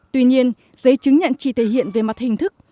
tuy nhiên giấy chứng nhận chỉ thể hiện về mặt hình thức